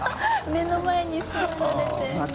目の前に座られて